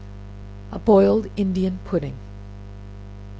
A Boiled Indian Pudding.